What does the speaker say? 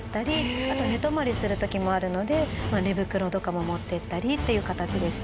あと寝泊まりする時もあるので寝袋とかも持っていったりっていう形でした。